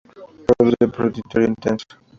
Produce prurito intenso.